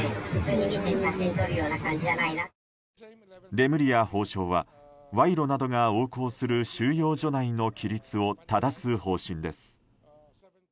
レムリヤ法相は賄賂などが横行する収容所内の規律を正す方針です。